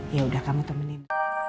yaudah kamu temenin